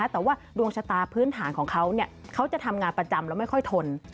แต่ว่าดวงชะตาพื้นฐานของเขาเขาจะทำงานประจำแล้วไม่ค่อยทน